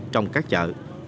trong các chợ